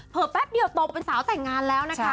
แป๊บเดียวโตเป็นสาวแต่งงานแล้วนะคะ